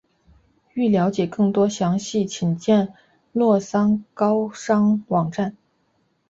欲了解更多信息请见洛桑高商网站。